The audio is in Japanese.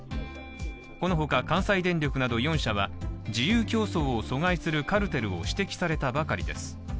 このほか関西電力など４社は自由競争を阻害するカルテルを指摘されたばかりです。